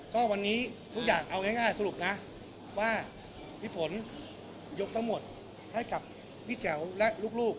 ก็วันนี้ทุกอย่างเอาง่ายสรุปนะว่าพี่ฝนยกทั้งหมดให้กับพี่แจ๋วและลูก